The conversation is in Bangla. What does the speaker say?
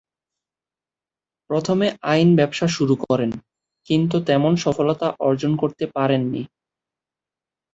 প্রথমে আইন ব্যবসা শুরু করেন, কিন্তু তেমন সফলতা অর্জন করতে পারেন নি।